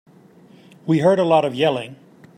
We heard a lot of yelling.